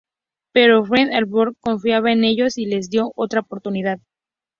Pero Herb Alpert confiaba en ellos, y les dio otra oportunidad.